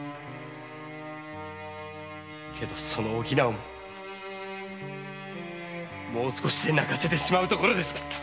けどお比奈をももう少しで泣かせてしまうところでした。